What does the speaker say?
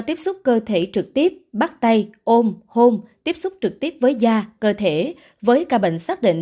tiếp xúc cơ thể trực tiếp bắt tay ôm hôn tiếp xúc trực tiếp với da cơ thể với ca bệnh xác định